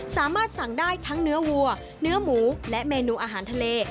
สามารถสั่งได้ทั้งเนื้อวัวเนื้อหมูและเมนูอาหารทะเล